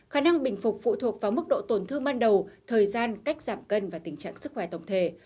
khả năng bình phục phụ thuộc vào mức độ tổn thương ban đầu thời gian cách giảm cân và tình trạng sức khỏe tổng thể